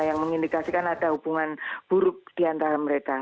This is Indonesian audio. yang mengindikasikan ada hubungan buruk di antara mereka